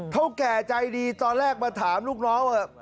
เท่าแก่ใจดีตอนแรกมาถามลูกน้องว่า